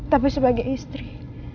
tapi sebagai istri